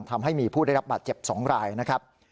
ทำให้มีผู้ได้รับบาดเจ็บ๒รายนะครับ